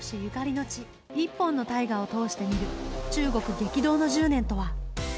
一本の大河を通して見る、中国激動の１０年とは。